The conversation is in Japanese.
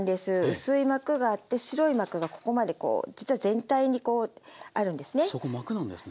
薄い膜があって白い膜がここまでこう実は全体にこうあるんですね。